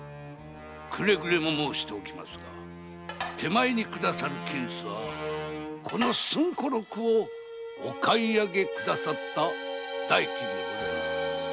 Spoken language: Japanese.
くれぐれも申しておきますが手前に下さる金子はこの宋胡録をお買い上げ下さった代金でございます。